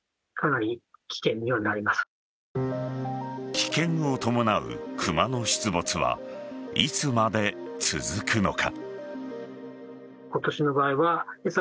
危険を伴うクマの出没はいつまで続くのか。